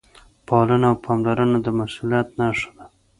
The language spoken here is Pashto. پالنه او پاملرنه د مسؤلیت نښه ده.